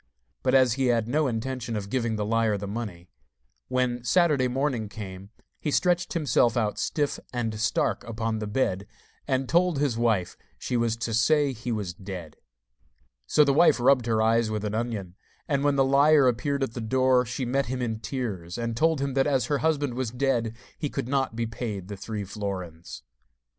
But as he had no intention of giving the liar the money, when Saturday morning came he stretched himself out stiff and stark upon the bed, and told his wife she was to say he was dead. So the wife rubbed her eyes with an onion, and when the liar appeared at the door, she met him in tears, and told him that as her husband was dead he could not be paid the three florins.